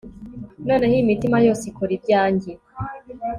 Noneho iyi mitima yose ikora ibyanjye